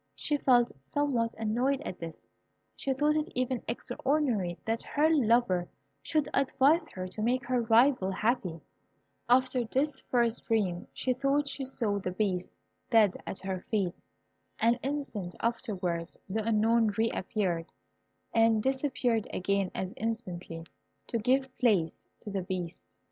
She felt somewhat annoyed at this. She thought it even extraordinary that her lover should advise her to make her rival happy. After this first dream, she thought she saw the Beast dead at her feet. An instant afterwards the Unknown re appeared, and disappeared again as instantly, to give place to the Beast.